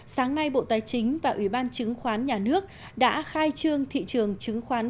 sáng nay bộ tài chính và ủy ban chứng khoán nhà nước đã khai trương thị trường chứng khoán